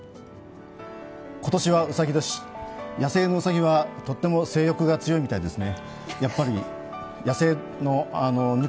今年はうさぎ年、野生のうさぎはとっても性欲が強いみたいですね。